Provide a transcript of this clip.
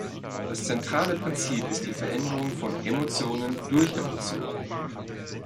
Das zentrale Prinzip ist die Veränderung von Emotionen durch Emotionen.